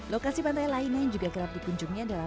lokasi pantai lainnya yang juga kerap dikunjungi adalah